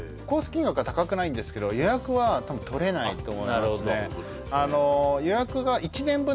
金額は高くないんですけど予約は多分取れないと思いますね